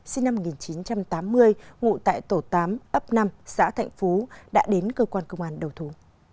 sinh năm một nghìn chín trăm tám mươi ngụ tại tổ tám ấp năm xã thạnh phú đã đến cơ quan công an đầu thú